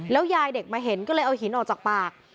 ยายเด็กมาเห็นก็เลยเอาหินออกจากปาก